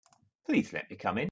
Please let me come in.